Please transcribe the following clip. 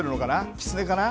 キツネかな？